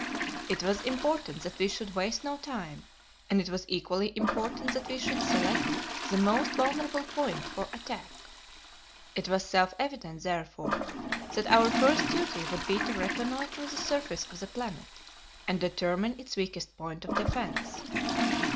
It was important that we should waste no time, and it was equally important that we should select the most vulnerable point for attack. It was self evident, therefore, that our first duty would be to reconnoitre the surface of the planet and determine its weakest point of defence.